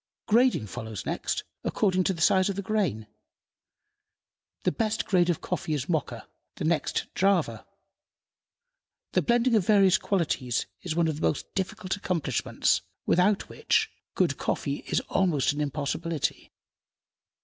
Grading follows next, according to the size of the grain. The best grade of coffee is Mocha, the next Java. The blending of various qualities is one of the most difficult accomplishments, without which, good coffee is almost an impossibility.